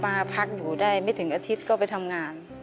มาพักอยู่ได้ไม่ถึงอาทิตย์ก็ไปทำงาน